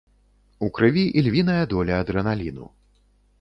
У крыві ільвіная доля адрэналіну.